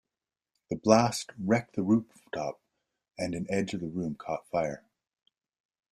The blast wrecked the rooftop and an edge of the room caught fire.